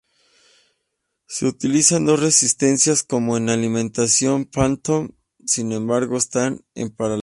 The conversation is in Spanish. Se utilizan dos resistencias como en alimentación phantom, sin embargo, están en paralelo.